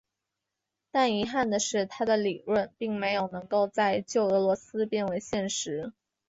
但遗憾的是他的理论并没有能够在旧俄罗斯变为现实。